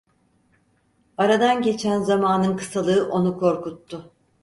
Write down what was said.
Aradan geçen zamanın kısalığı onu korkuttu.